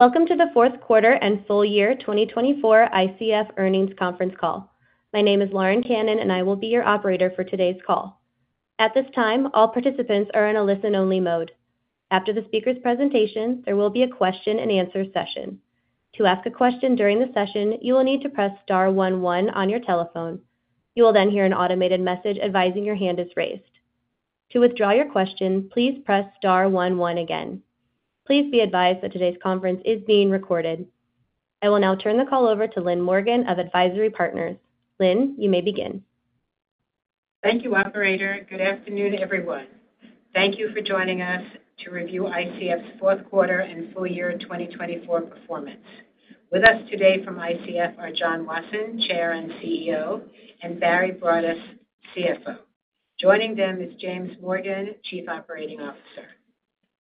Welcome to the Fourth Quarter and Full Year 2024 ICF Earnings Conference Call. My name is Lauren Cannon, and I will be your operator for today's call. At this time, all participants are in a listen-only mode. After the speaker's presentation, there will be a question-and-answer session. To ask a question during the session, you will need to press star one one on your telephone. You will then hear an automated message advising your hand is raised. To withdraw your question, please press star one one again. Please be advised that today's conference is being recorded. I will now turn the call over to Lynn Morgen of AdvisIRy Partners. Lynn, you may begin. Thank you, Operator. Good afternoon, everyone. Thank you for joining us to review ICF's fourth quarter and full year 2024 performance. With us today from ICF are John Wasson, Chair and CEO, and Barry Broadus, CFO. Joining them is James Morgan, Chief Operating Officer.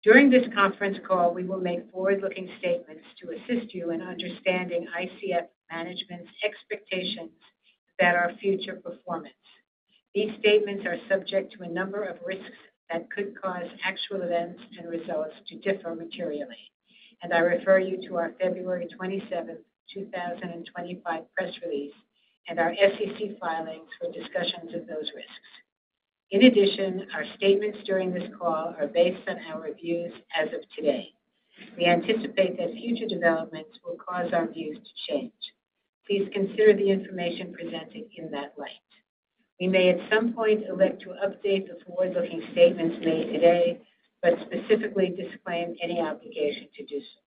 During this conference call, we will make forward-looking statements to assist you in understanding ICF management's expectations about our future performance. These statements are subject to a number of risks that could cause actual events and results to differ materially, and I refer you to our February 27, 2025 press release and our SEC filings for discussions of those risks. In addition, our statements during this call are based on our views as of today. We anticipate that future developments will cause our views to change. Please consider the information presented in that light. We may at some point elect to update the forward-looking statements made today, but specifically disclaim any obligation to do so.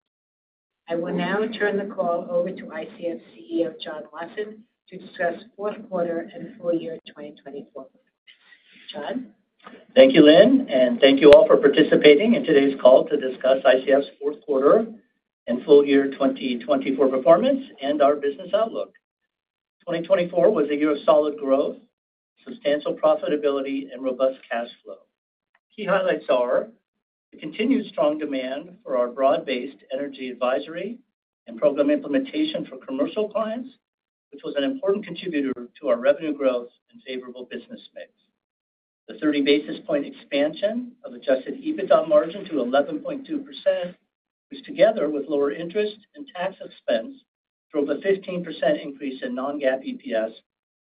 I will now turn the call over to ICF CEO John Wasson to discuss fourth quarter and full year 2024 performance. John. Thank you, Lynn, and thank you all for participating in today's call to discuss ICF's fourth quarter and full year 2024 performance and our business outlook. 2024 was a year of solid growth, substantial profitability, and robust cash flow. Key highlights are the continued strong demand for our broad-based energy advisory and program implementation for commercial clients, which was an important contributor to our revenue growth and favorable business mix. The 30 basis points expansion of adjusted EBITDA margin to 11.2%, which together with lower interest and tax expense, drove a 15% increase in non-GAAP EPS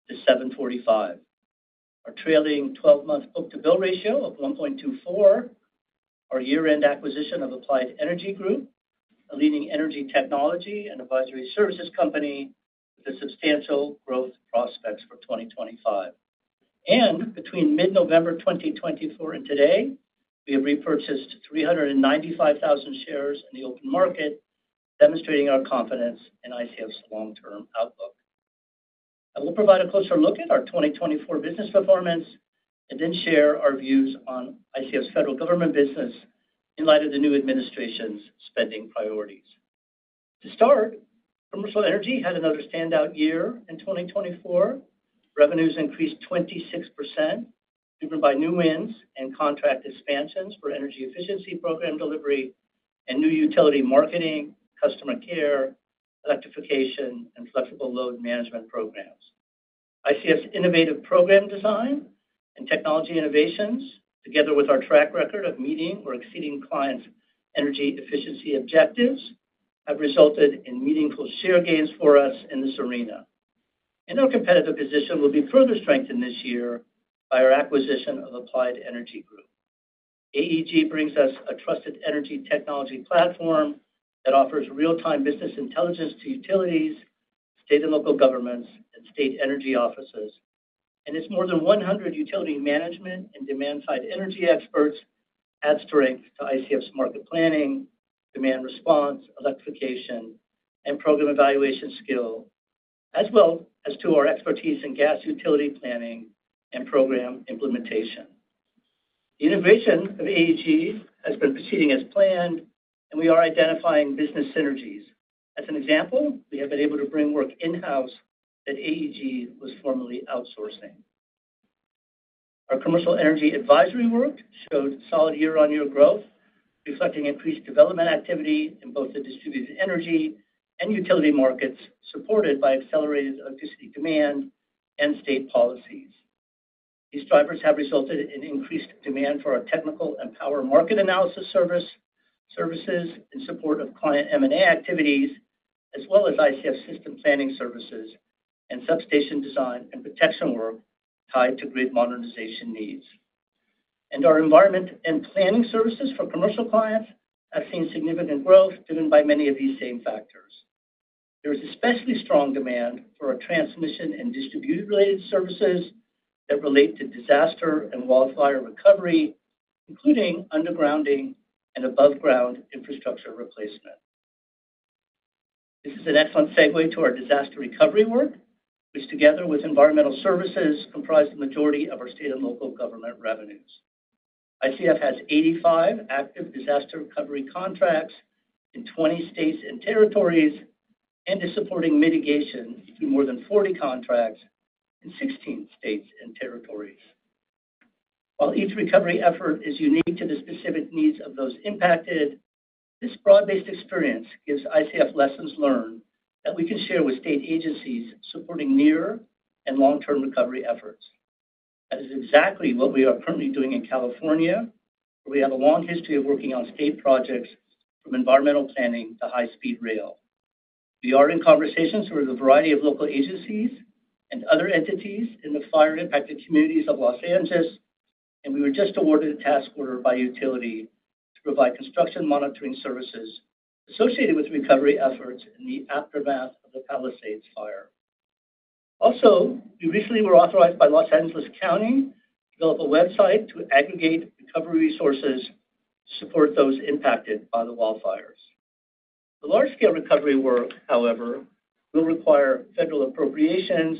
to $7.45. Our trailing 12-month book-to-bill ratio of 1.24, our year-end acquisition of Applied Energy Group, a leading energy technology and advisory services company, with a substantial growth prospect for 2025, and between mid-November 2024 and today, we have repurchased 395,000 shares in the open market, demonstrating our confidence in ICF's long-term outlook. I will provide a closer look at our 2024 business performance and then share our views on ICF's federal government business in light of the new administration's spending priorities. To start, commercial energy had another standout year in 2024. Revenues increased 26%, driven by new wins and contract expansions for energy efficiency program delivery and new utility marketing, customer care, electrification, and flexible load management programs. ICF's innovative program design and technology innovations, together with our track record of meeting or exceeding clients' energy efficiency objectives, have resulted in meaningful share gains for us in this arena, and our competitive position will be further strengthened this year by our acquisition of Applied Energy Group. AEG brings us a trusted energy technology platform that offers real-time business intelligence to utilities, state and local governments, and state energy offices. It's more than 100 utility management and demand-side energy experts add strength to ICF's market planning, demand response, electrification, and program evaluation skill, as well as to our expertise in gas utility planning and program implementation. The integration of AEG has been proceeding as planned, and we are identifying business synergies. As an example, we have been able to bring work in-house that AEG was formerly outsourcing. Our commercial energy advisory work showed solid year-on-year growth, reflecting increased development activity in both the distributed energy and utility markets, supported by accelerated electricity demand and state policies. These drivers have resulted in increased demand for our technical and power market analysis services in support of client M&A activities, as well as ICF system planning services and substation design and protection work tied to grid modernization needs. Our environment and planning services for commercial clients have seen significant growth driven by many of these same factors. There is especially strong demand for our transmission and distributed-related services that relate to disaster and wildfire recovery, including undergrounding and above-ground infrastructure replacement. This is an excellent segue to our disaster recovery work, which together with environmental services comprises the majority of our state and local government revenues. ICF has 85 active disaster recovery contracts in 20 states and territories and is supporting mitigation through more than 40 contracts in 16 states and territories. While each recovery effort is unique to the specific needs of those impacted, this broad-based experience gives ICF lessons learned that we can share with state agencies supporting near and long-term recovery efforts. That is exactly what we are currently doing in California, where we have a long history of working on state projects from environmental planning to high-speed rail. We are in conversations with a variety of local agencies and other entities in the fire-impacted communities of Los Angeles, and we were just awarded a task order by utility to provide construction monitoring services associated with recovery efforts in the aftermath of the Palisades Fire. Also, we recently were authorized by Los Angeles County to develop a website to aggregate recovery resources to support those impacted by the wildfires. The large-scale recovery work, however, will require federal appropriations,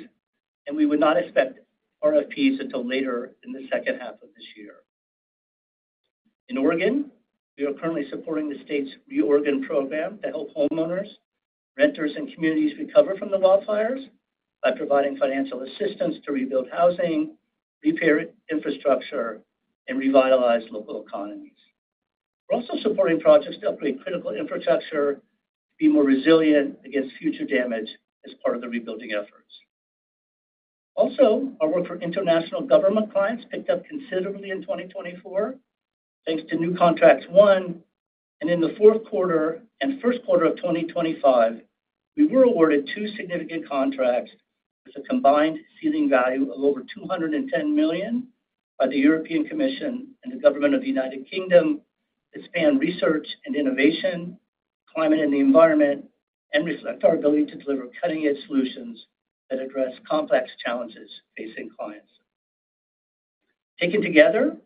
and we would not expect RFPs until later in the second half of this year. In Oregon, we are currently supporting the state's ReOregon program to help homeowners, renters, and communities recover from the wildfires by providing financial assistance to rebuild housing, repair infrastructure, and revitalize local economies. We're also supporting projects to upgrade critical infrastructure to be more resilient against future damage as part of the rebuilding efforts. Also, our work for international government clients picked up considerably in 2024, thanks to new contracts won and in the fourth quarter and first quarter of 2025, we were awarded two significant contracts with a combined ceiling value of over $210 million by the European Commission and the Government of the United Kingdom that span research and innovation, climate and the environment, and reflect our ability to deliver cutting-edge solutions that address complex challenges facing clients. Taken together,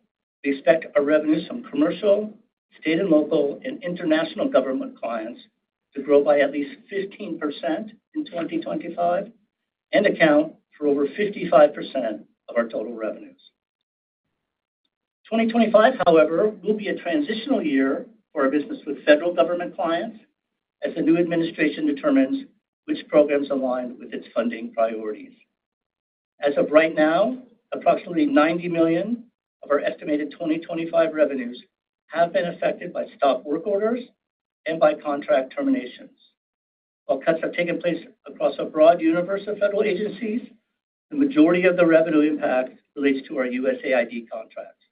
we expect our revenues from commercial, state and local, and international government clients to grow by at least 15% in 2025 and account for over 55% of our total revenues. 2025, however, will be a transitional year for our business with federal government clients as the new administration determines which programs align with its funding priorities. As of right now, approximately $90 million of our estimated 2025 revenues have been affected by stopped work orders and by contract terminations. While cuts have taken place across a broad universe of federal agencies, the majority of the revenue impact relates to our USAID contracts.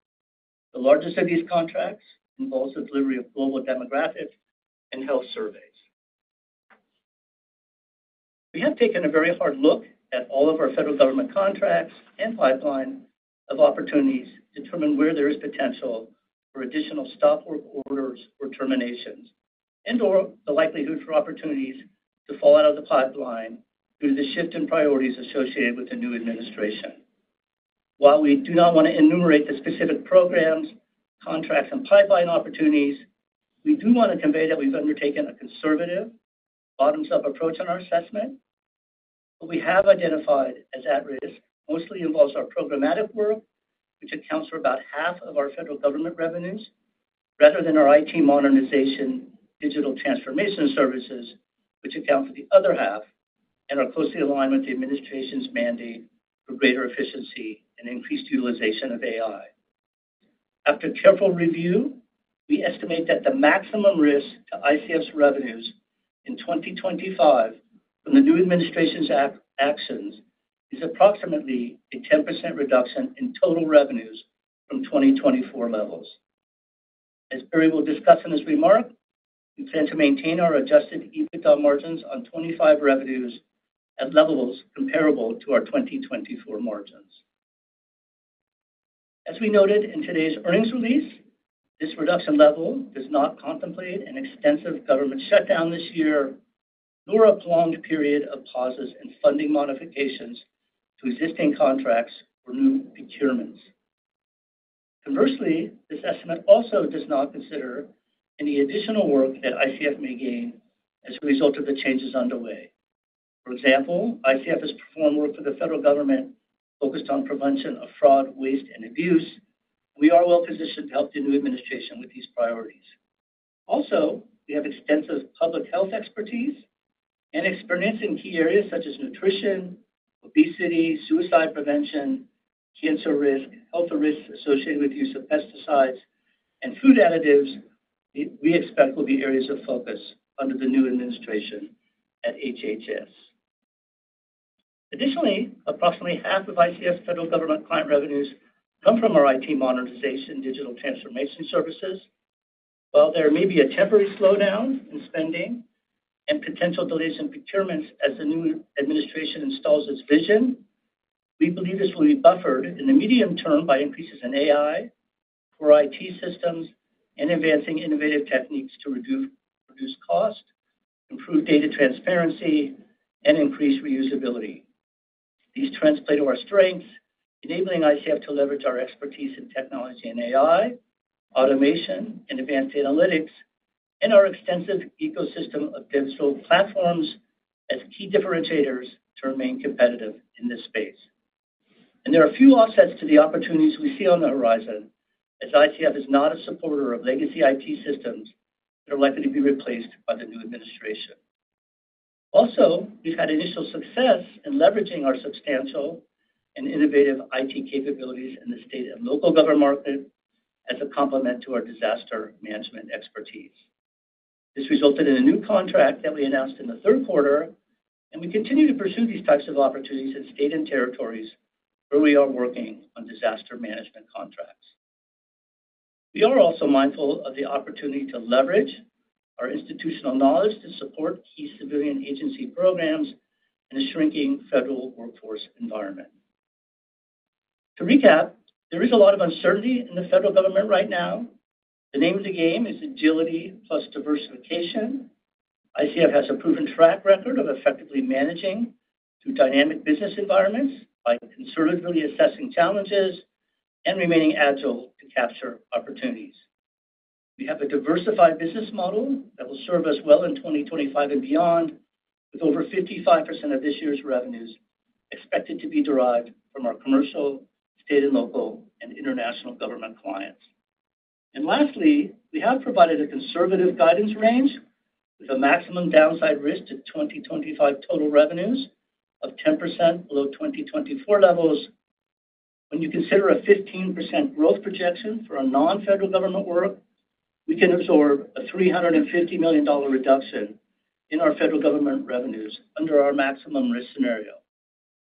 The largest of these contracts involves the delivery of global demographics and health surveys. We have taken a very hard look at all of our federal government contracts and pipeline of opportunities to determine where there is potential for additional stopped work orders or terminations and/or the likelihood for opportunities to fall out of the pipeline due to the shift in priorities associated with the new administration. While we do not want to enumerate the specific programs, contracts, and pipeline opportunities, we do want to convey that we've undertaken a conservative, bottoms-up approach on our assessment. What we have identified as at-risk mostly involves our programmatic work, which accounts for about half of our federal government revenues, rather than our IT modernization digital transformation services, which account for the other half and are closely aligned with the administration's mandate for greater efficiency and increased utilization of AI. After careful review, we estimate that the maximum risk to ICF's revenues in 2025 from the new administration's actions is approximately a 10% reduction in total revenues from 2024 levels. As Barry will discuss in his remarks, we plan to maintain our adjusted EBITDA margins on 2025 revenues at levels comparable to our 2024 margins. As we noted in today's earnings release, this reduction level does not contemplate an extensive government shutdown this year, nor a prolonged period of pauses and funding modifications to existing contracts or new procurements. Conversely, this estimate also does not consider any additional work that ICF may gain as a result of the changes underway. For example, ICF has performed work for the federal government focused on prevention of fraud, waste, and abuse, and we are well-positioned to help the new administration with these priorities. Also, we have extensive public health expertise and experience in key areas such as nutrition, obesity, suicide prevention, cancer risk, health risks associated with the use of pesticides and food additives that we expect will be areas of focus under the new administration at HHS. Additionally, approximately half of ICF's federal government client revenues come from our IT modernization digital transformation services. While there may be a temporary slowdown in spending and potential delays in procurements as the new administration installs its vision, we believe this will be buffered in the medium term by increases in AI for IT systems and advancing innovative techniques to reduce cost, improve data transparency, and increase reusability. These trends play to our strengths, enabling ICF to leverage our expertise in technology and AI, automation and advanced analytics, and our extensive ecosystem of digital platforms as key differentiators to remain competitive in this space. And there are a few offsets to the opportunities we see on the horizon as ICF is not a supporter of legacy IT systems that are likely to be replaced by the new administration. Also, we've had initial success in leveraging our substantial and innovative IT capabilities in the state and local government market as a complement to our disaster management expertise. This resulted in a new contract that we announced in the third quarter, and we continue to pursue these types of opportunities in states and territories where we are working on disaster management contracts. We are also mindful of the opportunity to leverage our institutional knowledge to support key civilian agency programs and a shrinking federal workforce environment. To recap, there is a lot of uncertainty in the federal government right now. The name of the game is agility plus diversification. ICF has a proven track record of effectively managing through dynamic business environments by conservatively assessing challenges and remaining agile to capture opportunities. We have a diversified business model that will serve us well in 2025 and beyond, with over 55% of this year's revenues expected to be derived from our commercial, state and local, and international government clients. And lastly, we have provided a conservative guidance range with a maximum downside risk to 2025 total revenues of 10% below 2024 levels. When you consider a 15% growth projection for our non-federal government work, we can absorb a $350 million reduction in our federal government revenues under our maximum risk scenario,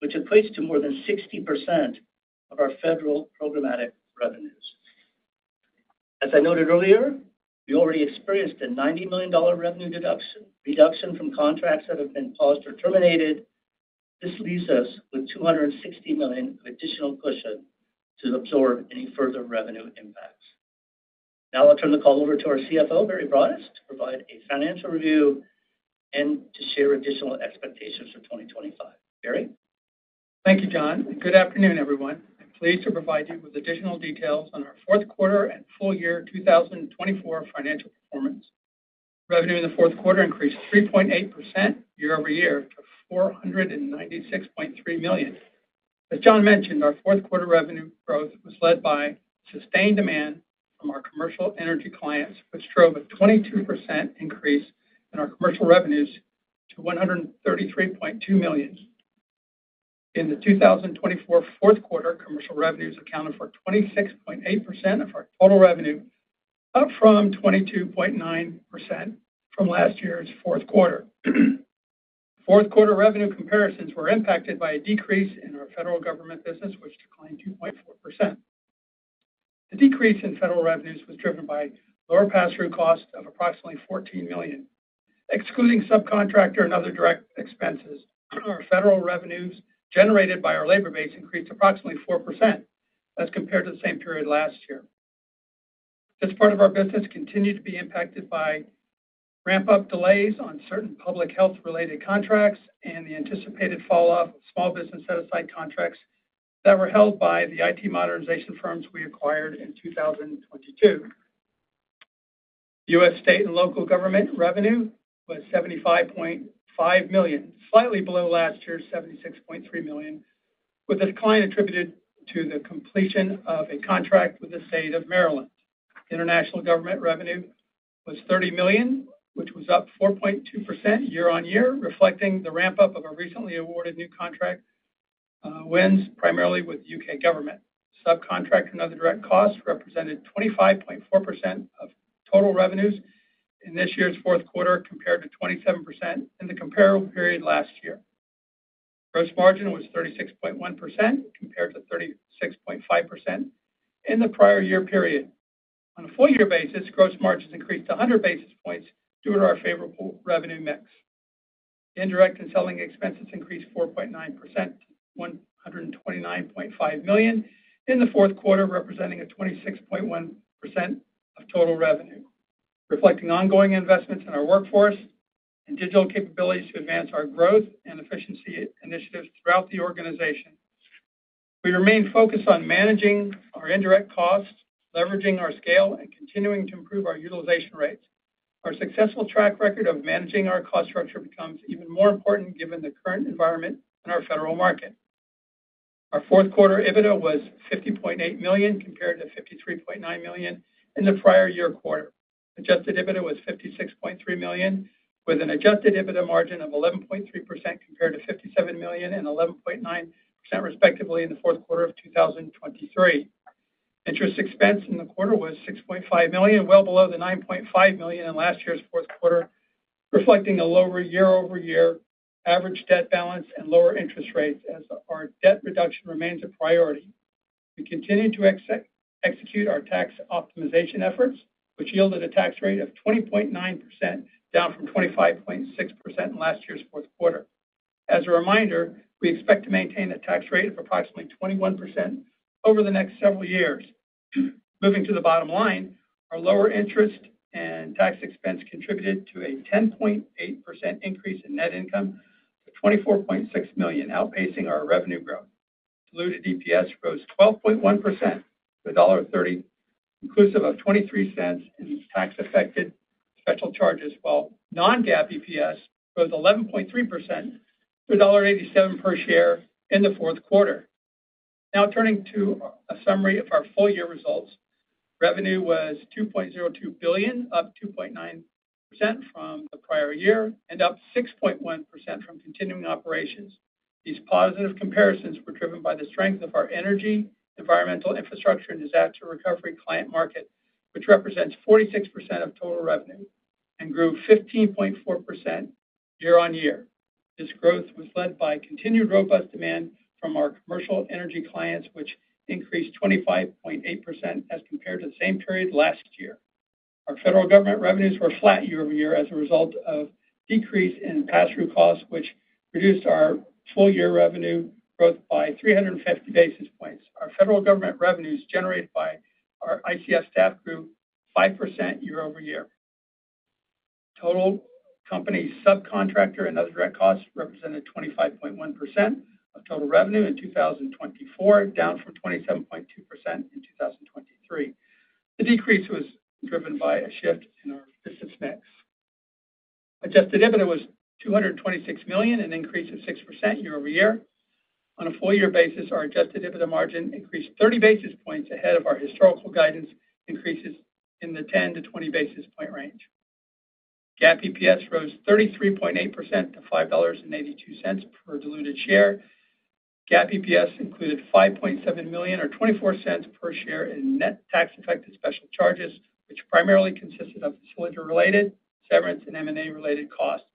which equates to more than 60% of our federal programmatic revenues. As I noted earlier, we already experienced a $90 million revenue reduction from contracts that have been paused or terminated. This leaves us with $260 million of additional cushion to absorb any further revenue impacts. Now I'll turn the call over to our CFO, Barry Broadus, to provide a financial review and to share additional expectations for 2025. Barry? Thank you, John. Good afternoon, everyone. I'm pleased to provide you with additional details on our fourth quarter and full year 2024 financial performance. Revenue in the fourth quarter increased 3.8% year-over-year to $496.3 million. As John mentioned, our fourth quarter revenue growth was led by sustained demand from our commercial energy clients, which drove a 22% increase in our commercial revenues to $133.2 million. In the 2024 fourth quarter, commercial revenues accounted for 26.8% of our total revenue, up from 22.9% from last year's fourth quarter. Fourth quarter revenue comparisons were impacted by a decrease in our federal government business, which declined 2.4%. The decrease in federal revenues was driven by lower pass-through costs of approximately $14 million. Excluding subcontractor and other direct expenses, our federal revenues generated by our labor base increased approximately 4% as compared to the same period last year. This part of our business continued to be impacted by ramp-up delays on certain public health-related contracts and the anticipated falloff of small business set-aside contracts that were held by the IT modernization firms we acquired in 2022. U.S. state and local government revenue was $75.5 million, slightly below last year's $76.3 million, with a decline attributed to the completion of a contract with the state of Maryland. International government revenue was $30 million, which was up 4.2% year-on-year, reflecting the ramp-up of our recently awarded new contract wins, primarily with the U.K. government. Subcontract and other direct costs represented 25.4% of total revenues in this year's fourth quarter compared to 27% in the comparable period last year. Gross margin was 36.1% compared to 36.5% in the prior year period. On a full year basis, gross margins increased 100 basis points due to our favorable revenue mix. Indirect and selling expenses increased 4.9% to $129.5 million in the fourth quarter, representing 26.1% of total revenue. Reflecting ongoing investments in our workforce and digital capabilities to advance our growth and efficiency initiatives throughout the organization, we remain focused on managing our indirect costs, leveraging our scale, and continuing to improve our utilization rates. Our successful track record of managing our cost structure becomes even more important given the current environment and our federal market. Our fourth quarter EBITDA was $50.8 million compared to $53.9 million in the prior year quarter. Adjusted EBITDA was $56.3 million, with an adjusted EBITDA margin of 11.3% compared to $57 million and 11.9% respectively in the fourth quarter of 2023. Interest expense in the quarter was $6.5 million, well below the $9.5 million in last year's fourth quarter, reflecting a lower year-over-year average debt balance and lower interest rates as our debt reduction remains a priority. We continue to execute our tax optimization efforts, which yielded a tax rate of 20.9%, down from 25.6% in last year's fourth quarter. As a reminder, we expect to maintain a tax rate of approximately 21% over the next several years. Moving to the bottom line, our lower interest and tax expense contributed to a 10.8% increase in net income to $24.6 million, outpacing our revenue growth. Diluted EPS rose 12.1% to $1.30, inclusive of $0.23 in tax-affected special charges, while non-GAAP EPS rose 11.3% to $1.87 per share in the fourth quarter. Now turning to a summary of our full year results, revenue was $2.02 billion, up 2.9% from the prior year and up 6.1% from continuing operations. These positive comparisons were driven by the strength of our energy, environmental infrastructure, and disaster recovery client market, which represents 46% of total revenue and grew 15.4% year-on-year. This growth was led by continued robust demand from our commercial energy clients, which increased 25.8% as compared to the same period last year. Our federal government revenues were flat year over year as a result of a decrease in pass-through costs, which reduced our full year revenue growth by 350 basis points. Our federal government revenues generated by our ICF staff grew 5% year-over-year. Total company subcontractor and other direct costs represented 25.1% of total revenue in 2024, down from 27.2% in 2023. The decrease was driven by a shift in our business mix. Adjusted EBITDA was $226 million, an increase of 6% year-over-year. On a full year basis, our adjusted EBITDA margin increased 30 basis points ahead of our historical guidance increases in the 10-20 basis point range. GAAP EPS rose 33.8% to $5.82 per diluted share. GAAP EPS included $5.7 million or $0.24 per share in net tax-affected special charges, which primarily consisted of facility-related, severance, and M&A-related costs,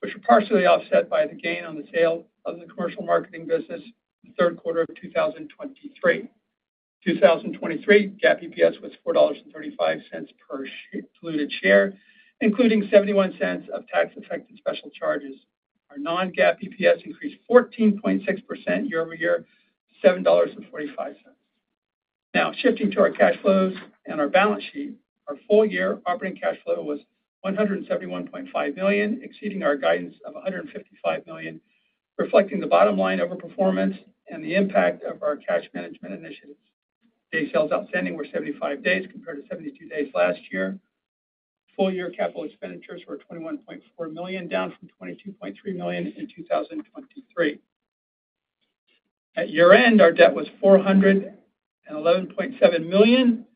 which were partially offset by the gain on the sale of the commercial marketing business in the third quarter of 2023. In 2023, GAAP EPS was $4.35 per diluted share, including $0.71 of tax-affected special charges. Our non-GAAP EPS increased 14.6% year-over-year to $7.45. Now, shifting to our cash flows and our balance sheet, our full year operating cash flow was $171.5 million, exceeding our guidance of $155 million, reflecting the bottom line of our performance and the impact of our cash management initiatives. Days sales outstanding were 75 days compared to 72 days last year. Full year capital expenditures were $21.4 million, down from $22.3 million in 2023. At year-end, our debt was $411.7 million,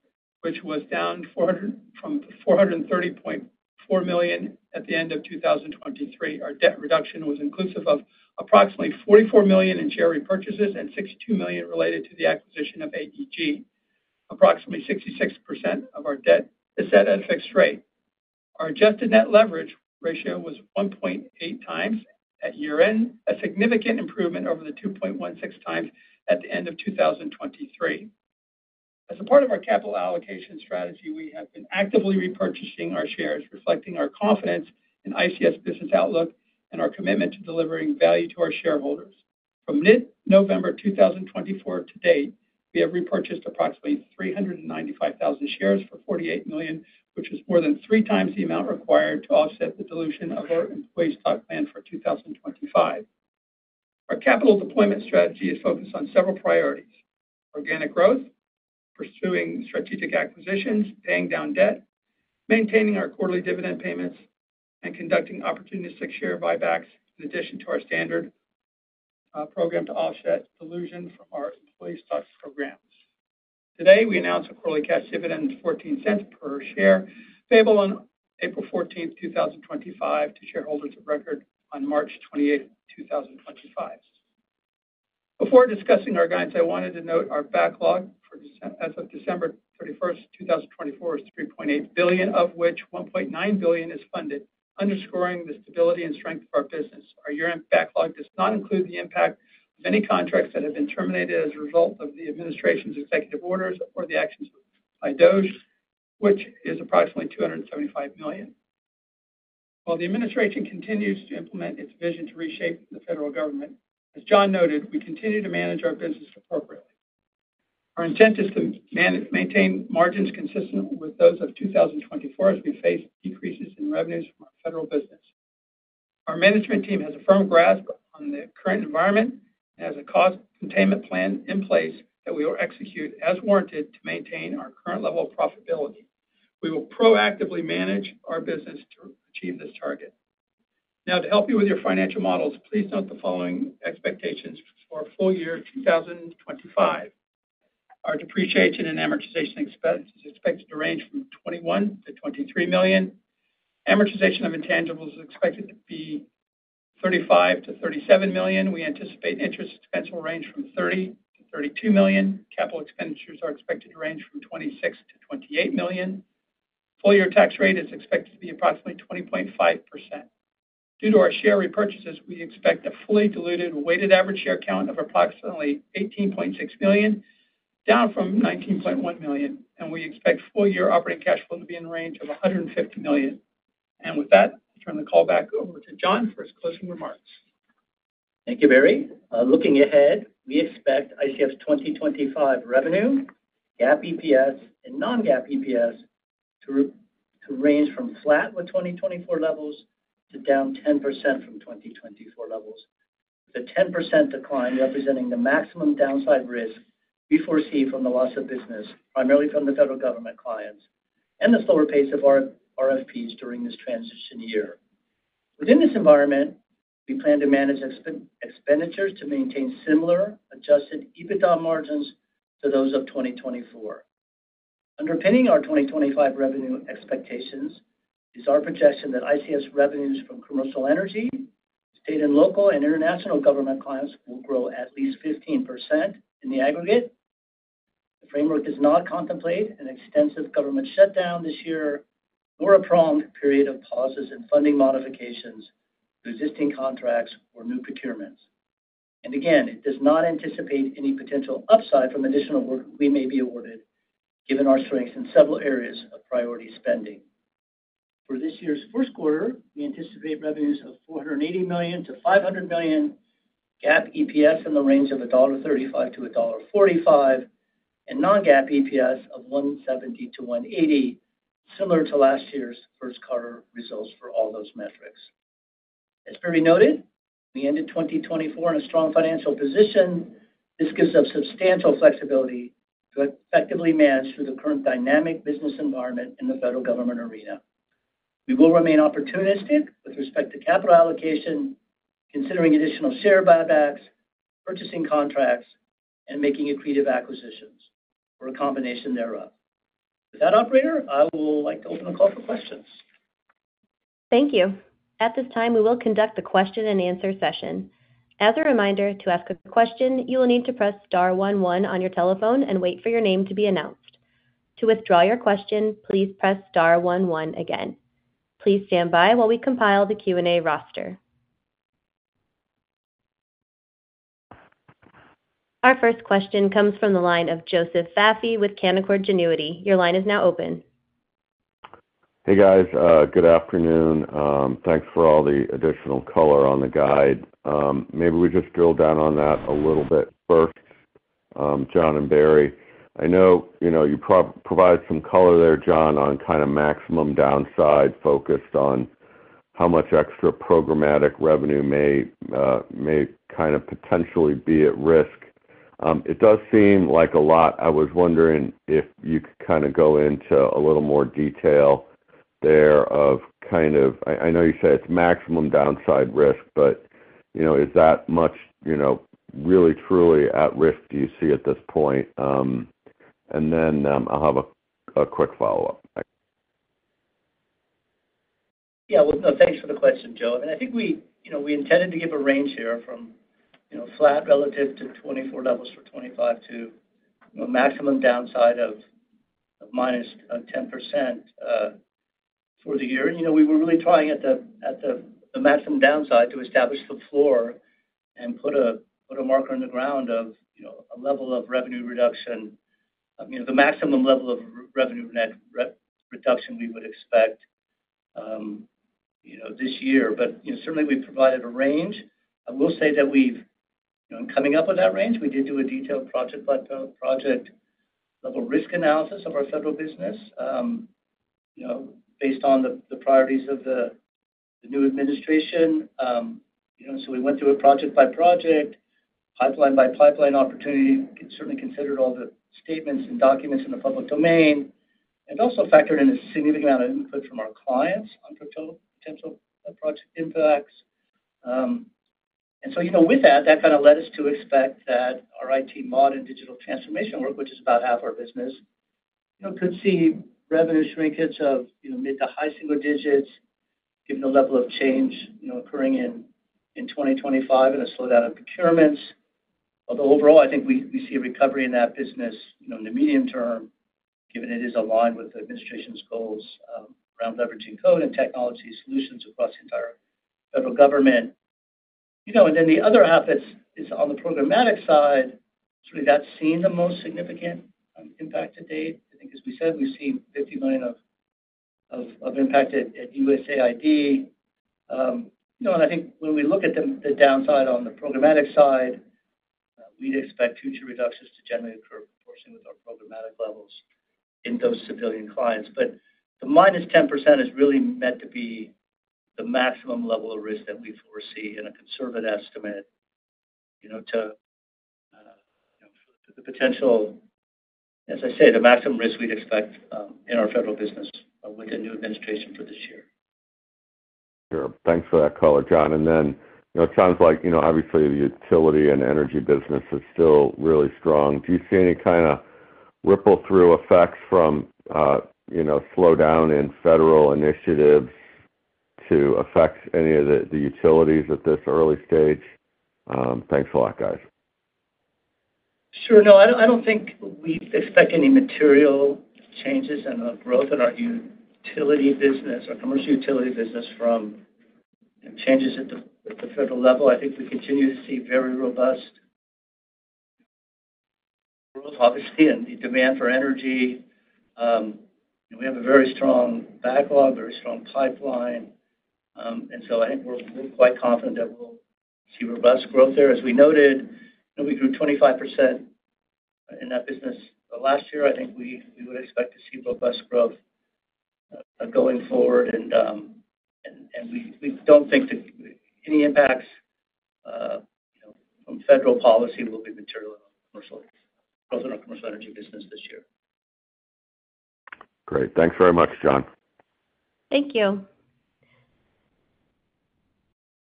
which was down from $430.4 million at the end of 2023. Our debt reduction was inclusive of approximately $44 million in share repurchases and $62 million related to the acquisition of AEG. Approximately 66% of our debt is set at a fixed rate. Our adjusted net leverage ratio was 1.8x at year-end, a significant improvement over the 2.16x at the end of 2023. As a part of our capital allocation strategy, we have been actively repurchasing our shares, reflecting our confidence in ICF's business outlook and our commitment to delivering value to our shareholders. From mid-November 2024 to date, we have repurchased approximately 395,000 shares for $48 million, which is more than three times the amount required to offset the dilution of our employee stock plan for 2025. Our capital deployment strategy is focused on several priorities: organic growth, pursuing strategic acquisitions, paying down debt, maintaining our quarterly dividend payments, and conducting opportunistic share buybacks in addition to our standard program to offset dilution from our employee stock programs. Today, we announced a quarterly cash dividend of $0.14 per share payable on April 14, 2025, to shareholders of record on March 28, 2025. Before discussing our guidance, I wanted to note our backlog as of December 31st, 2024, is $3.8 billion, of which $1.9 billion is funded, underscoring the stability and strength of our business. Our year-end backlog does not include the impact of any contracts that have been terminated as a result of the administration's executive orders or the actions by DOGE, which is approximately $275 million. While the administration continues to implement its vision to reshape the federal government, as John noted, we continue to manage our business appropriately. Our intent is to maintain margins consistent with those of 2024 as we face decreases in revenues from our federal business. Our management team has a firm grasp on the current environment and has a cost containment plan in place that we will execute as warranted to maintain our current level of profitability. We will proactively manage our business to achieve this target. Now, to help you with your financial models, please note the following expectations for full year 2025. Our depreciation and amortization expenses are expected to range from $21 million-$23 million. Amortization of intangibles is expected to be $35 million-$37 million. We anticipate interest expenses will range from $30 million-$32 million. Capital expenditures are expected to range from $26 million-$28 million. Full year tax rate is expected to be approximately 20.5%. Due to our share repurchases, we expect a fully diluted weighted average share count of approximately 18.6 million, down from 19.1 million. And we expect full year operating cash flow to be in the range of $150 million. And with that, I'll turn the call back over to John for his closing remarks. Thank you, Barry. Looking ahead, we expect ICF's 2025 revenue, GAAP EPS, and Non-GAAP EPS to range from flat with 2024 levels to down 10% from 2024 levels, with a 10% decline representing the maximum downside risk we foresee from the loss of business, primarily from the federal government clients and the slower pace of our RFPs during this transition year. Within this environment, we plan to manage expenditures to maintain similar adjusted EBITDA margins to those of 2024. Underpinning our 2025 revenue expectations is our projection that ICF's revenues from commercial energy, state and local and international government clients will grow at least 15% in the aggregate. The framework does not contemplate an extensive government shutdown this year or a prolonged period of pauses and funding modifications to existing contracts or new procurements. And again, it does not anticipate any potential upside from additional work we may be awarded, given our strengths in several areas of priority spending. For this year's fourth quarter, we anticipate revenues of $480 million-$500 million, GAAP EPS in the range of $1.35-$1.45, and Non-GAAP EPS of $170-$180, similar to last year's first quarter results for all those metrics. As Barry noted, we ended 2024 in a strong financial position. This gives us substantial flexibility to effectively manage through the current dynamic business environment in the federal government arena. We will remain opportunistic with respect to capital allocation, considering additional share buybacks, purchasing contracts, and making accretive acquisitions or a combination thereof. With that, Operator, I would like to open the call for questions. Thank you. At this time, we will conduct the question-and-answer session. As a reminder, to ask a question, you will need to press star one one on your telephone and wait for your name to be announced. To withdraw your question, please press star one one again. Please stand by while we compile the Q&A roster. Our first question comes from the line of Joseph Vafi with Canaccord Genuity. Your line is now open. Hey, guys. Good afternoon. Thanks for all the additional color on the guide. Maybe we just drill down on that a little bit first, John and Barry. I know you provided some color there, John, on kind of maximum downside focused on how much extra programmatic revenue may kind of potentially be at risk. It does seem like a lot. I was wondering if you could kind of go into a little more detail there of kind of I know you said it's maximum downside risk, but is that much really, truly at risk do you see at this point? And then I'll have a quick follow-up. Yeah. Well, no, thanks for the question, Joe. I mean, I think we intended to give a range here from flat relative to 2024 levels for 2025 to a maximum downside of -10% for the year. And we were really trying at the maximum downside to establish the floor and put a marker in the ground of a level of revenue reduction, the maximum level of revenue net reduction we would expect this year. But certainly, we provided a range. I will say that in coming up with that range, we did do a detailed project-level risk analysis of our federal business based on the priorities of the new administration. So we went through it project by project, pipeline by pipeline opportunity, certainly considered all the statements and documents in the public domain, and also factored in a significant amount of input from our clients on potential project impacts. And so with that, that kind of led us to expect that our IT mod and digital transformation work, which is about half our business, could see revenue shrinkage of mid to high single digits given the level of change occurring in 2025 and a slowdown of procurements. Although overall, I think we see a recovery in that business in the medium term, given it is aligned with the administration's goals around leveraging code and technology solutions across the entire federal government. And then the other half is on the programmatic side. Certainly, that's seen the most significant impact to date. I think, as we said, we've seen $50 million of impact at USAID. And I think when we look at the downside on the programmatic side, we'd expect future reductions to generally occur proportionally with our programmatic levels in those civilian clients. But the -10% is really meant to be the maximum level of risk that we foresee in a conservative estimate to the potential, as I say, the maximum risk we'd expect in our federal business with the new administration for this year. Sure. Thanks for that color, John. And then it sounds like obviously the utility and energy business is still really strong. Do you see any kind of ripple-through effects from slowdown in federal initiatives to affect any of the utilities at this early stage? Thanks a lot, guys. Sure. No, I don't think we expect any material changes in the growth in our utility business, our commercial utility business from changes at the federal level. I think we continue to see very robust growth, obviously, in the demand for energy. We have a very strong backlog, very strong pipeline. And so I think we're quite confident that we'll see robust growth there. As we noted, we grew 25% in that business last year. I think we would expect to see robust growth going forward. And we don't think that any impacts from federal policy will be material on the commercial growth in our commercial energy business this year. Great. Thanks very much, John. Thank you.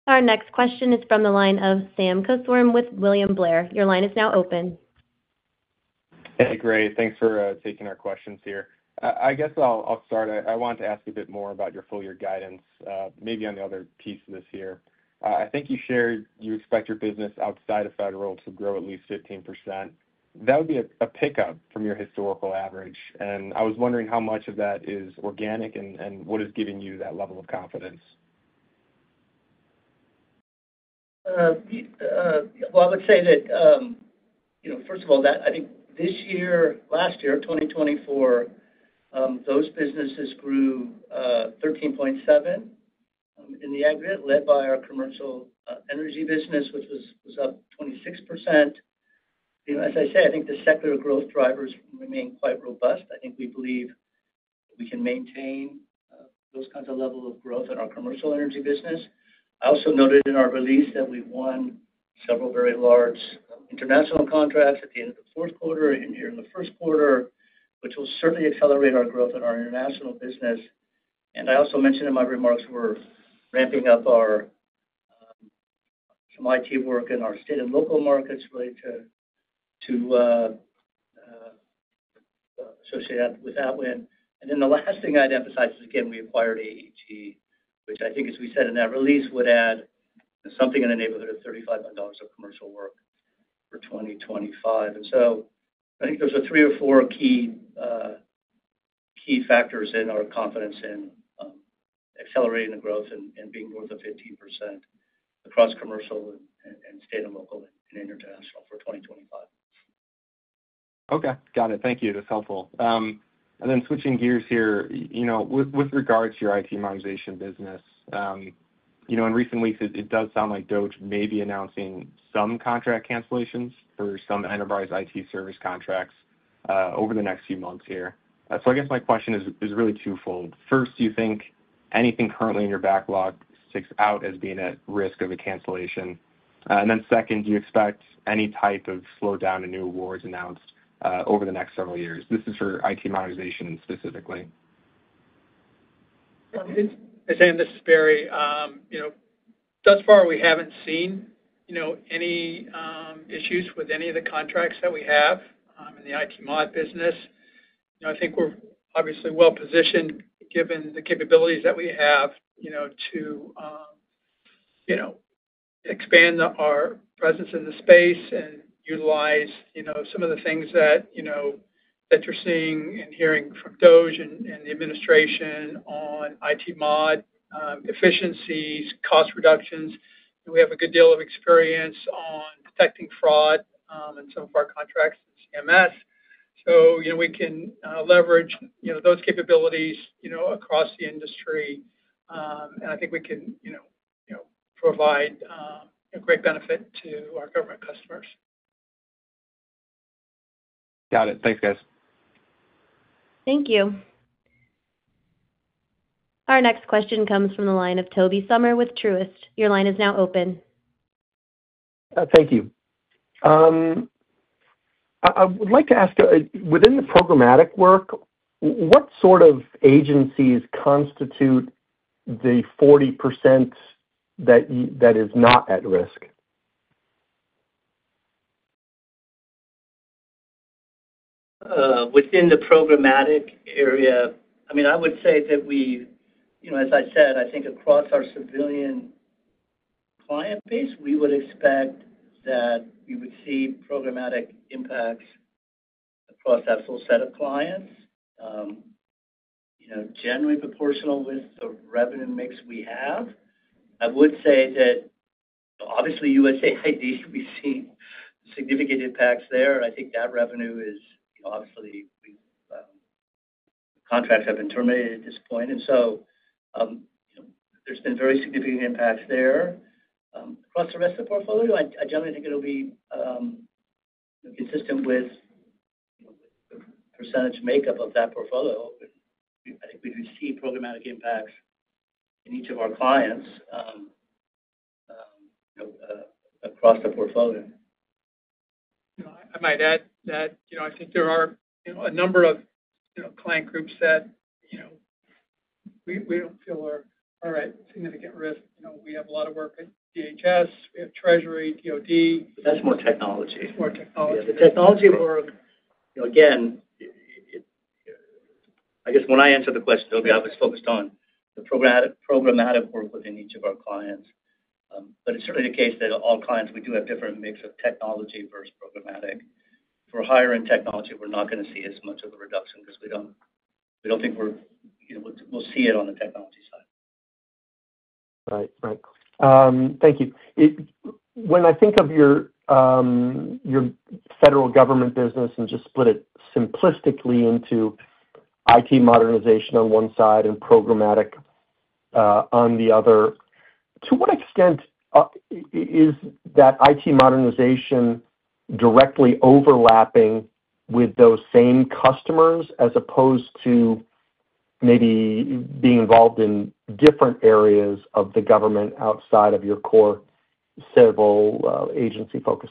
Our next question is from the line of Sam Kusswurm with William Blair. Your line is now open. Hey, great. Thanks for taking our questions here. I guess I'll start. I wanted to ask you a bit more about your full year guidance, maybe on the other piece of this year. I think you shared you expect your business outside of federal to grow at least 15%. That would be a pickup from your historical average. And I was wondering how much of that is organic and what is giving you that level of confidence. I would say that, first of all, I think this year, last year, 2024, those businesses grew 13.7% in the aggregate, led by our commercial energy business, which was up 26%. As I say, I think the secular growth drivers remain quite robust. I think we believe we can maintain those kinds of levels of growth in our commercial energy business. I also noted in our release that we won several very large international contracts at the end of the fourth quarter and here in the first quarter, which will certainly accelerate our growth in our international business. I also mentioned in my remarks we're ramping up some IT work in our state and local markets related to, associated with that win. And then the last thing I'd emphasize is, again, we acquired AEG, which I think, as we said in that release, would add something in the neighborhood of $35 million of commercial work for 2025. And so I think those are three or four key factors in our confidence in accelerating the growth and being north of 15% across commercial and state and local and international for 2025. Okay. Got it. Thank you. That's helpful. And then switching gears here, with regards to your IT modernization business, in recent weeks, it does sound like DOGE may be announcing some contract cancellations for some enterprise IT service contracts over the next few months here. So I guess my question is really twofold. First, do you think anything currently in your backlog sticks out as being at risk of a cancellation? And then second, do you expect any type of slowdown in new awards announced over the next several years? This is for IT modernization specifically. As I said, this is Barry. Thus far, we haven't seen any issues with any of the contracts that we have in the IT mod business. I think we're obviously well-positioned given the capabilities that we have to expand our presence in the space and utilize some of the things that you're seeing and hearing from DOGE and the administration on IT mod efficiencies, cost reductions. We have a good deal of experience on detecting fraud in some of our contracts in CMS. So we can leverage those capabilities across the industry. And I think we can provide great benefit to our government customers. Got it. Thanks, guys. Thank you. Our next question comes from the line of Tobey Sommer with Truist. Your line is now open. Thank you. I would like to ask, within the programmatic work, what sort of agencies constitute the 40% that is not at risk? Within the programmatic area, I mean, I would say that we, as I said, I think across our civilian client base, we would expect that we would see programmatic impacts across that full set of clients, generally proportional with the revenue mix we have. I would say that, obviously, USAID, we've seen significant impacts there. I think that revenue is obviously contracts have been terminated at this point. And so there's been very significant impacts there. Across the rest of the portfolio, I generally think it'll be consistent with the percentage makeup of that portfolio. I think we do see programmatic impacts in each of our clients across the portfolio. I might add that I think there are a number of client groups that we don't feel are at significant risk. We have a lot of work at DHS. We have Treasury, DOD. But that's more technology. It's more technology work. Again, I guess when I answer the question, I'll be obviously focused on the programmatic work within each of our clients. But it's certainly the case that all clients, we do have different mix of technology versus programmatic. For higher-end technology, we're not going to see as much of a reduction because we don't think we'll see it on the technology side. Right. Right. Thank you. When I think of your federal government business and just split it simplistically into IT modernization on one side and programmatic on the other, to what extent is that IT modernization directly overlapping with those same customers as opposed to maybe being involved in different areas of the government outside of your core civil agency focus?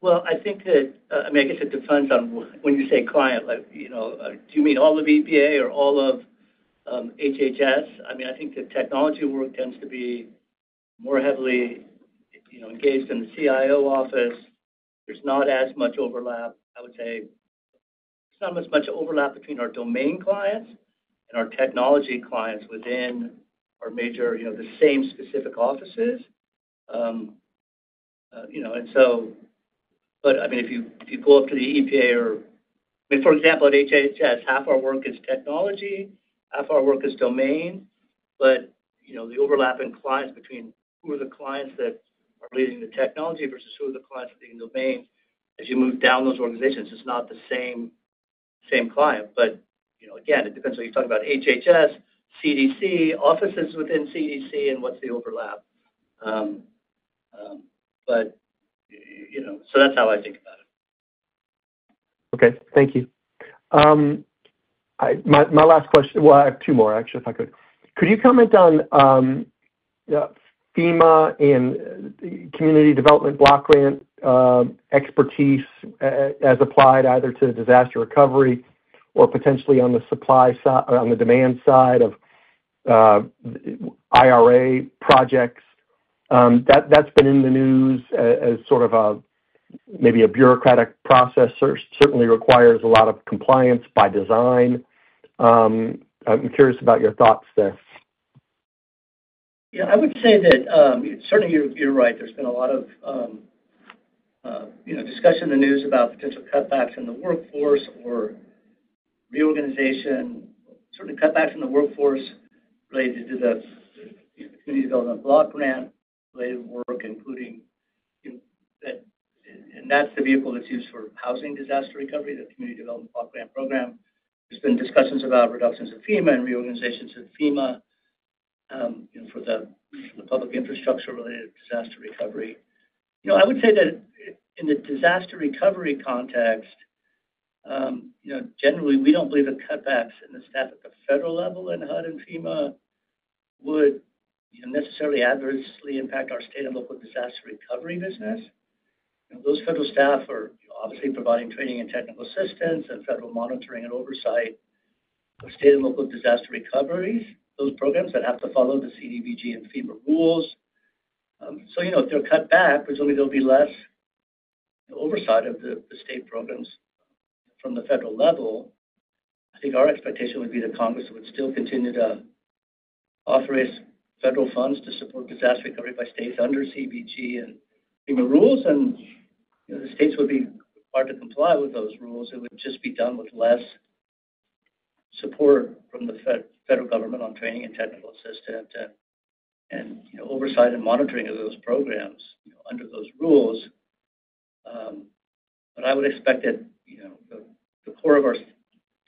Well, I think that. I mean, I guess it depends on when you say client. Do you mean all of EPA or all of HHS? I mean, I think the technology work tends to be more heavily engaged in the CIO office. There's not as much overlap. I would say there's not as much overlap between our domain clients and our technology clients within our major, the same specific offices. And so, but I mean, if you go up to the EPA or, I mean, for example, at HHS, half our work is technology, half our work is domain. But the overlap in clients between who are the clients that are leading the technology versus who are the clients leading the domain, as you move down those organizations, it's not the same client. But again, it depends on whether you're talking about HHS, CDC, offices within CDC, and what's the overlap. But so that's how I think about it. Okay. Thank you. My last question, well, I have two more, actually, if I could. Could you comment on FEMA and Community Development Block Grant expertise as applied either to disaster recovery or potentially on the supply side or on the demand side of IRA projects? That's been in the news as sort of maybe a bureaucratic process or certainly requires a lot of compliance by design. I'm curious about your thoughts there. Yeah. I would say that certainly you're right. There's been a lot of discussion in the news about potential cutbacks in the workforce or reorganization, certainly cutbacks in the workforce related to the Community Development Block Grant-related work, including that. And that's the vehicle that's used for housing disaster recovery, the Community Development Block Grant program. There's been discussions about reductions in FEMA and reorganizations of FEMA for the public infrastructure related to disaster recovery. I would say that in the disaster recovery context, generally, we don't believe the cutbacks in the staff at the federal level and HUD and FEMA would necessarily adversely impact our state and local disaster recovery business. Those federal staff are obviously providing training and technical assistance and federal monitoring and oversight of state and local disaster recoveries, those programs that have to follow the CDBG and FEMA rules. So if they're cut back, presumably there'll be less oversight of the state programs from the federal level. I think our expectation would be that Congress would still continue to authorize federal funds to support disaster recovery by states under CDBG and FEMA rules. And the states would be required to comply with those rules. It would just be done with less support from the federal government on training and technical assistance and oversight and monitoring of those programs under those rules. But I would expect that the core of our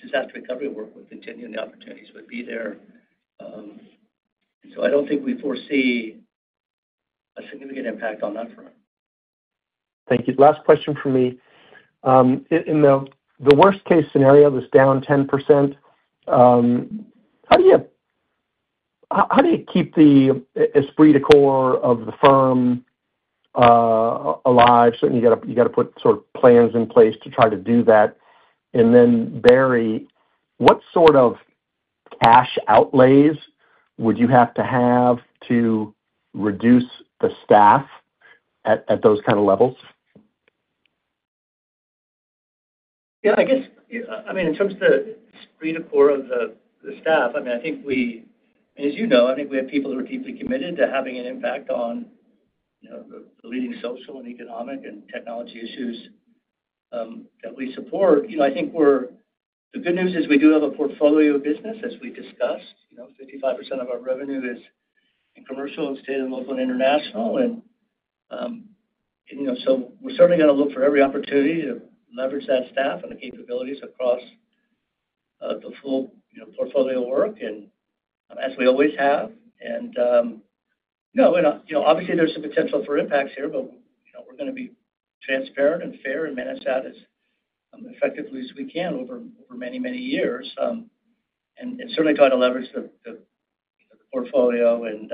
disaster recovery work would continue and the opportunities would be there. And so I don't think we foresee a significant impact on that front. Thank you. Last question for me. In the worst-case scenario, this down 10%, how do you keep the esprit de corps of the firm alive? Certainly, you got to put sort of plans in place to try to do that. And then, Barry, what sort of cash outlays would you have to have to reduce the staff at those kind of levels? Yeah. I guess, I mean, in terms of the esprit de corps of the staff, I mean, I think we, and as you know, I think we have people who are deeply committed to having an impact on the leading social and economic and technology issues that we support. I think the good news is we do have a portfolio of business, as we discussed. 55% of our revenue is in commercial, state and local, and international. And so we're certainly going to look for every opportunity to leverage that staff and the capabilities across the full portfolio work, as we always have. And no, obviously, there's some potential for impacts here, but we're going to be transparent and fair and manage that as effectively as we can over many, many years. And certainly try to leverage the portfolio and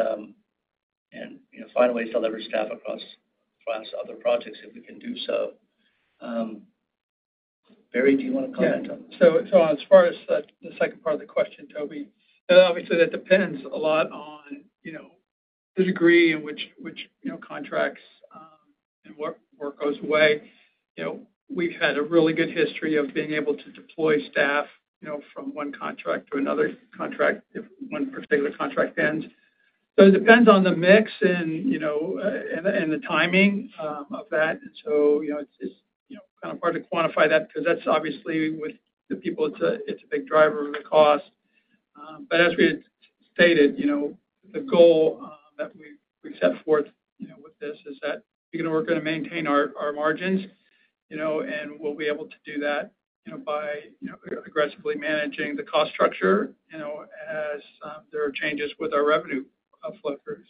find ways to leverage staff across other projects if we can do so. Barry, do you want to comment on that? Yeah. So as far as the second part of the question, Tobey, obviously, that depends a lot on the degree in which contracts and work goes away. We've had a really good history of being able to deploy staff from one contract to another contract if one particular contract ends. So it depends on the mix and the timing of that. And so it's kind of hard to quantify that because that's obviously with the people. It's a big driver of the cost. But as we had stated, the goal that we set forth with this is that we're going to maintain our margins. And we'll be able to do that by aggressively managing the cost structure as there are changes with our revenue flow through.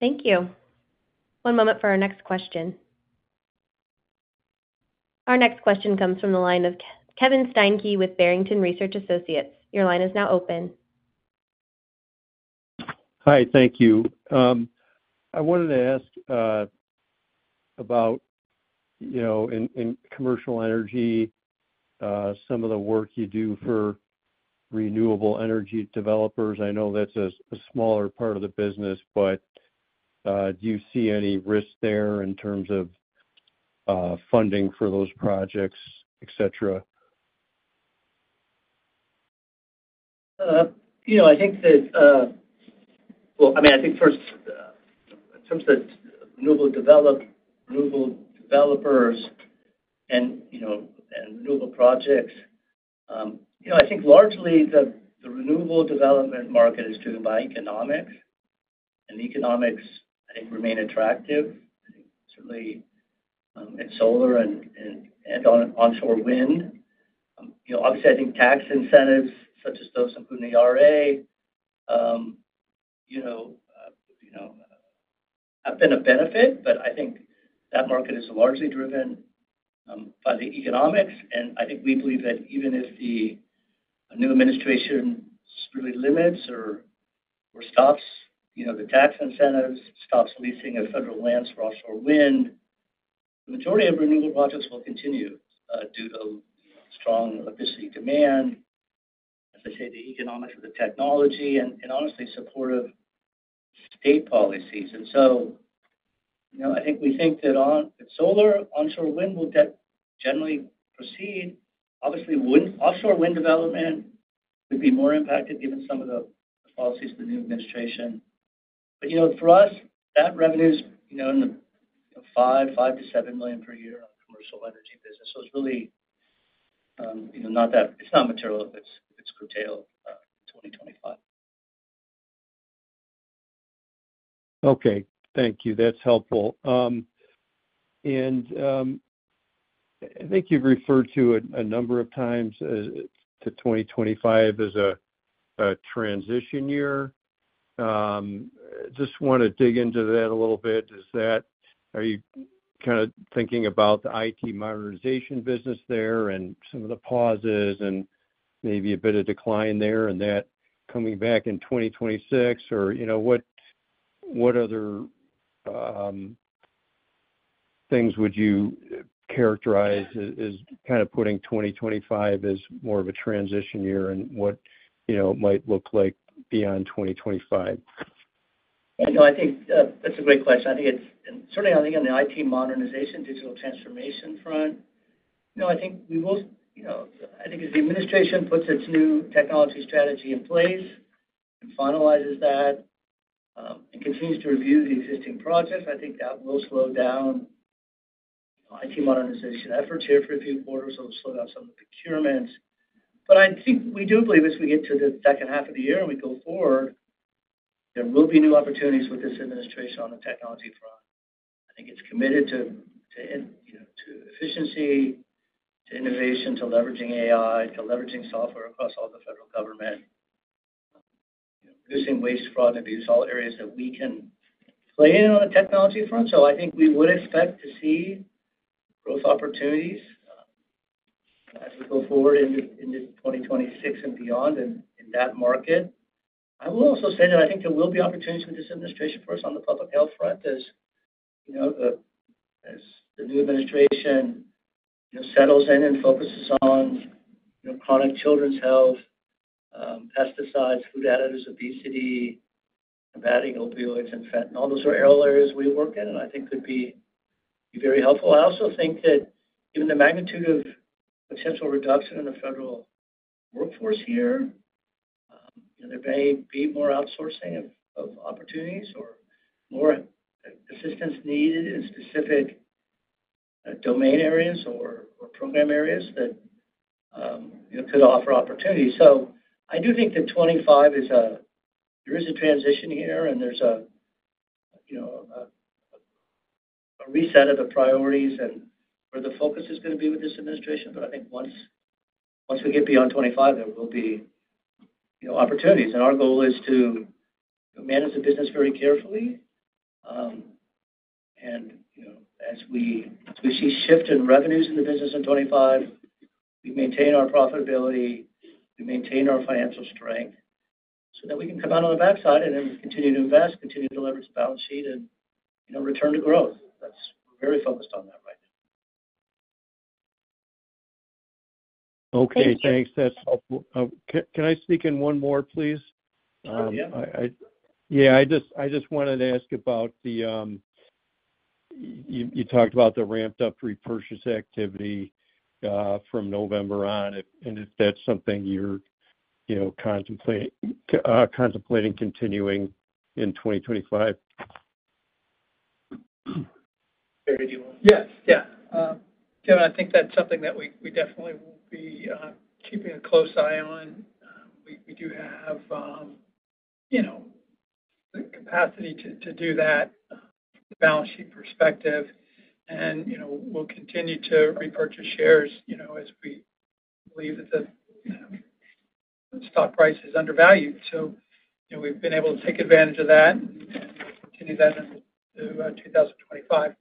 Thank you. One moment for our next question. Our next question comes from the line of Kevin Steinke with Barrington Research Associates. Your line is now open. Hi. Thank you. I wanted to ask about, in commercial energy, some of the work you do for renewable energy developers. I know that's a smaller part of the business, but do you see any risk there in terms of funding for those projects, etc.? I think that, well, I mean, I think first, in terms of renewable developers and renewable projects, I think largely the renewable development market is driven by economics. And the economics, I think, remain attractive, certainly in solar and onshore wind. Obviously, I think tax incentives, such as those including the IRA, have been a benefit. But I think that market is largely driven by the economics. And I think we believe that even if the new administration strictly limits or stops the tax incentives, stops leasing of federal lands for offshore wind, the majority of renewable projects will continue due to strong electricity demand. As I say, the economics of the technology and honestly supportive state policies. And so I think we think that solar, onshore wind will generally proceed. Obviously, offshore wind development would be more impacted given some of the policies of the new administration. But for us, that revenue's in the $5 million-$7 million per year on the commercial energy business. So it's really not that it's not material if it's curtailed in 2025. Okay. Thank you. That's helpful. And I think you've referred to a number of times to 2025 as a transition year. Just want to dig into that a little bit. Are you kind of thinking about the IT modernization business there and some of the pauses and maybe a bit of decline there and that coming back in 2026? Or what other things would you characterize as kind of putting 2025 as more of a transition year and what it might look like beyond 2025? Yeah. No, I think that's a great question. I think it's certainly. I think on the IT modernization, digital transformation front, I think we will. I think as the administration puts its new technology strategy in place and finalizes that and continues to review the existing projects, I think that will slow down IT modernization efforts here for a few quarters. It'll slow down some of the procurements. But I think we do believe as we get to the second half of the year and we go forward, there will be new opportunities with this administration on the technology front. I think it's committed to efficiency, to innovation, to leveraging AI, to leveraging software across all the federal government, reducing waste, fraud, and abuse, all areas that we can play in on the technology front. So I think we would expect to see growth opportunities as we go forward into 2026 and beyond in that market. I will also say that I think there will be opportunities with this administration first on the public health front as the new administration settles in and focuses on chronic children's health, pesticides, food additives, obesity, combating opioids, and fentanyl. Those are areas we work in and I think could be very helpful. I also think that given the magnitude of potential reduction in the federal workforce here, there may be more outsourcing of opportunities or more assistance needed in specific domain areas or program areas that could offer opportunities. So I do think that 2025 is a, there is a transition here and there's a reset of the priorities and where the focus is going to be with this administration. But I think once we get beyond 2025, there will be opportunities, and our goal is to manage the business very carefully. As we see a shift in revenues in the business in 2025, we maintain our profitability, we maintain our financial strength so that we can come out on the backside and then continue to invest, continue to leverage the balance sheet, and return to growth. We're very focused on that right now. Okay. Thanks. That's helpful. Can I ask one more, please? Yeah. Yeah. I just wanted to ask about the you talked about the ramped-up repurchase activity from November on, and if that's something you're contemplating continuing in 2025. Barry, do you want? Yes. Yeah. Kevin, I think that's something that we definitely will be keeping a close eye on. We do have the capacity to do that from the balance sheet perspective. And we'll continue to repurchase shares as we believe that the stock price is undervalued. So we've been able to take advantage of that and continue that into 2025.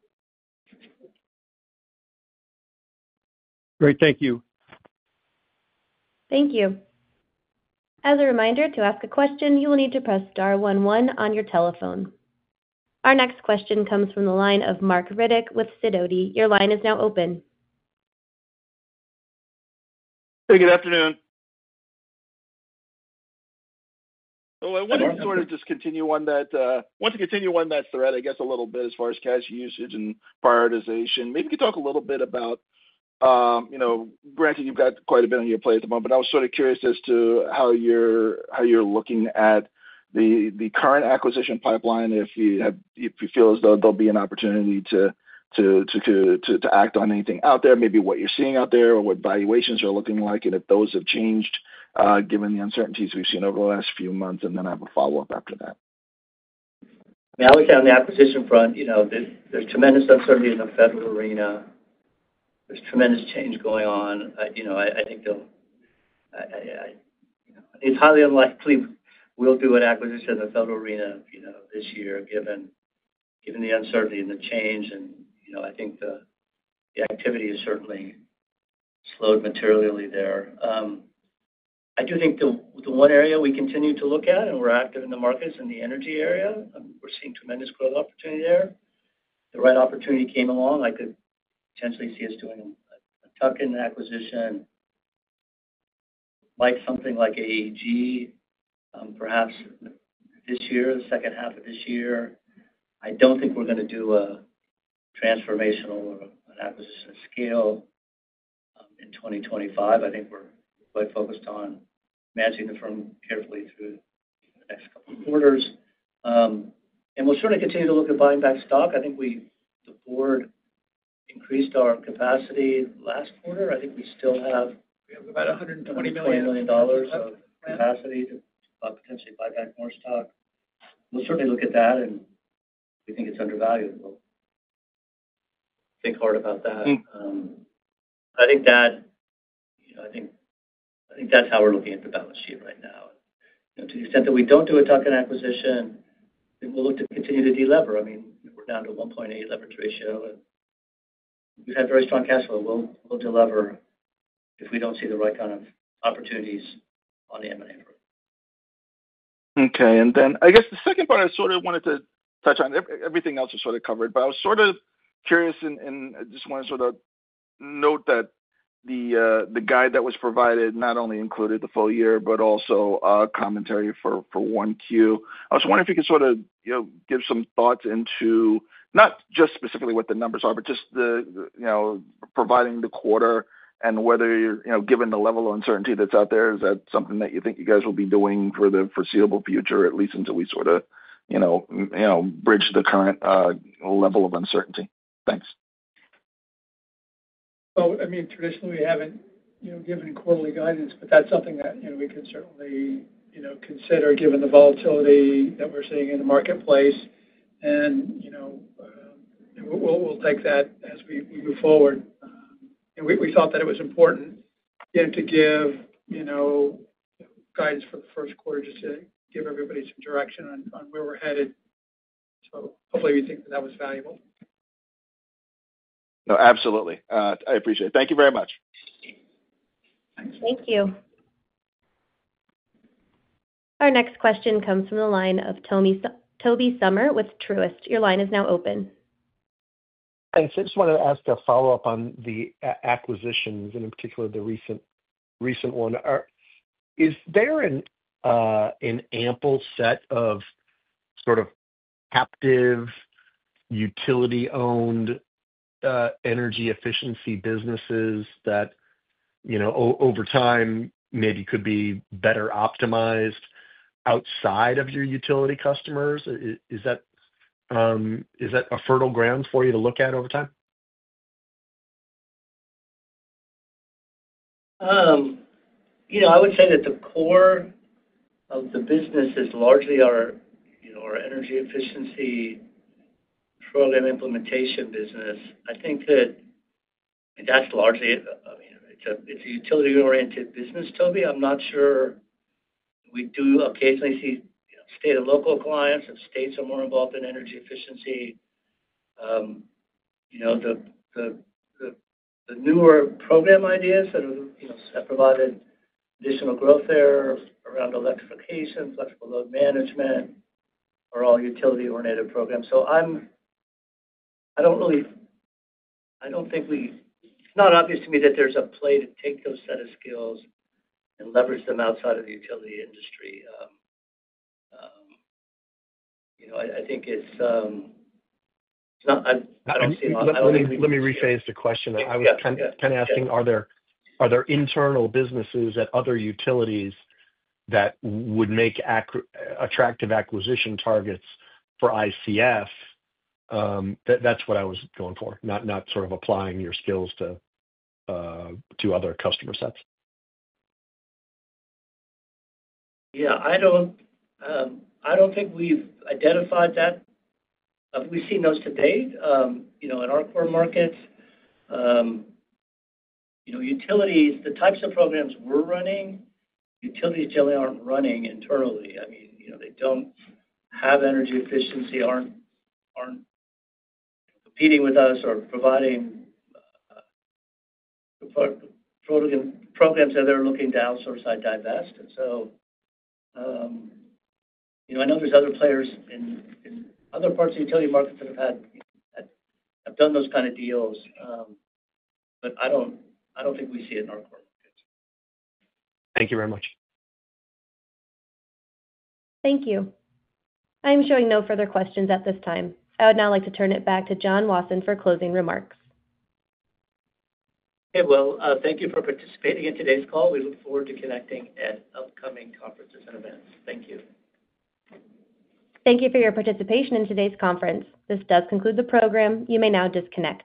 Great. Thank you. Thank you. As a reminder, to ask a question, you will need to press star one one on your telephone. Our next question comes from the line of Marc Riddick with Sidoti. Your line is now open. Hey. Good afternoon. Hello. I wanted to sort of just continue on that thread, I guess, a little bit as far as cash usage and prioritization. Maybe you could talk a little bit about, granted, you've got quite a bit on your plate at the moment, but I was sort of curious as to how you're looking at the current acquisition pipeline, if you feel as though there'll be an opportunity to act on anything out there, maybe what you're seeing out there or what valuations are looking like, and if those have changed given the uncertainties we've seen over the last few months, and then have a follow-up after that. Now, looking on the acquisition front, there's tremendous uncertainty in the federal arena. There's tremendous change going on. I think it's highly unlikely we'll do an acquisition in the federal arena this year given the uncertainty and the change. And I think the activity has certainly slowed materially there. I do think the one area we continue to look at and we're active in the markets in the energy area, we're seeing tremendous growth opportunity there. The right opportunity came along. I could potentially see us doing a tuck-in acquisition, something like AEG, perhaps this year, the second half of this year. I don't think we're going to do a transformational or an acquisition at scale in 2025. I think we're quite focused on managing the firm carefully through the next couple of quarters. And we'll certainly continue to look at buying back stock. I think the board increased our capacity last quarter. I think we still have. We have about $120 million. $120 million of capacity to potentially buy back more stock. We'll certainly look at that, and we think it's undervalued. We'll think hard about that. I think that I think that's how we're looking at the balance sheet right now. To the extent that we don't do a tuck-in acquisition, we'll look to continue to deliver. I mean, we're down to a 1.8 leverage ratio. We've had very strong cash flow. We'll deliver if we don't see the right kind of opportunities on the M&A front. Okay. And then I guess the second part I sort of wanted to touch on. Everything else was sort of covered, but I was sort of curious and just wanted to sort of note that the guide that was provided not only included the full year but also commentary for 1Q. I was wondering if you could sort of give some thoughts into not just specifically what the numbers are, but just providing the quarter and whether given the level of uncertainty that's out there, is that something that you think you guys will be doing for the foreseeable future, at least until we sort of bridge the current level of uncertainty? Thanks. Well, I mean, traditionally, we haven't given quarterly guidance, but that's something that we can certainly consider given the volatility that we're seeing in the marketplace. And we'll take that as we move forward. We thought that it was important to give guidance for the first quarter just to give everybody some direction on where we're headed. So hopefully, you think that that was valuable. No, absolutely. I appreciate it. Thank you very much. Thank you. Our next question comes from the line of Tobey Sommer with Truist. Your line is now open. Thanks. I just wanted to ask a follow-up on the acquisitions and in particular the recent one. Is there an ample set of sort of captive utility-owned energy efficiency businesses that over time maybe could be better optimized outside of your utility customers? Is that a fertile ground for you to look at over time? I would say that the core of the business is largely our energy efficiency program implementation business. I think that that's largely. I mean, it's a utility-oriented business, Tobey. I'm not sure. We do occasionally see state and local clients if states are more involved in energy efficiency. The newer program ideas that have provided additional growth there around electrification, flexible load management are all utility-oriented programs. So I don't think it's not obvious to me that there's a play to take those set of skills and leverage them outside of the utility industry. Let me rephrase the question. I was kind of asking, are there internal businesses at other utilities that would make attractive acquisition targets for ICF? That's what I was going for, not sort of applying your skills to other customer sets. Yeah. I don't think we've identified that. We've seen those today in our core markets. Utilities, the types of programs we're running, utilities generally aren't running internally. I mean, they don't have energy efficiency, aren't competing with us or providing programs that they're looking to outsource or divest. And so I know there's other players in other parts of the utility market that have done those kind of deals, but I don't think we see it in our core markets. Thank you very much. Thank you. I'm showing no further questions at this time. I would now like to turn it back to John Wasson for closing remarks. Okay. Well, thank you for participating in today's call. We look forward to connecting at upcoming conferences and events. Thank you. Thank you for your participation in today's conference. This does conclude the program. You may now disconnect.